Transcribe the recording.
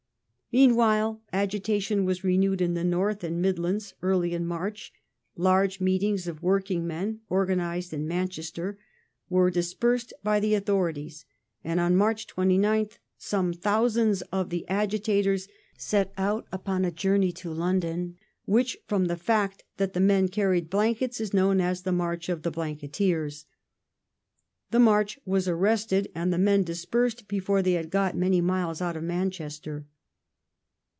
Meanwhile, agitation was renewed in the North and Midlands. Insurrec Eai ly in March large meetings of working men organized in Man Jj^^" ^^7 Chester were dispei sed by the authorities, and on March 29th some ments thousands of the agitators set out upon a journey to London which, from the fact that the men carried blankets, is known as the "March of the blanketeers ". The march was arrested and the men dispersed before they had got many miles out of Manchester.